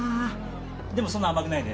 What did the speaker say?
でもそんな甘くないね。